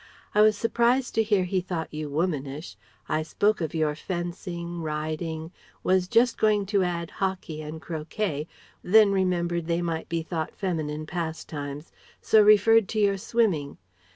I was surprised to hear he thought you womanish I spoke of your fencing, riding, was just going to add 'hockey,' and 'croquet': then remembered they might be thought feminine pastimes, so referred to your swimming.